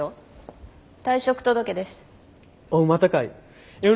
退職届です。